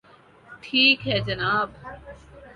ٹھیک ہے جناب